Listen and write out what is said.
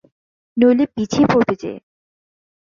নইলে পিছিয়ে পড়বে যে।